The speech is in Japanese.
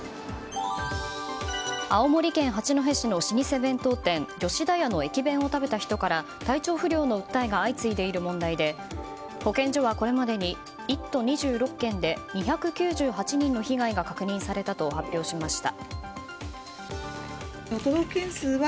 青森県八戸市の老舗弁当店吉田屋の駅弁を食べた人から体調不良の訴えが相次いでいる問題で保健所はこれまでに１都２６県で２９８人の被害が確認されたと発表しました。